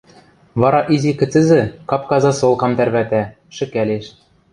Вара изи кӹцӹзӹ капка засолкам тӓрвӓтӓ, шӹкӓлеш.